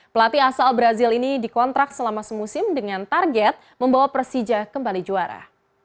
pelatih asal brazil ini dikontrak selama semusim dengan target membawa persija kembali juara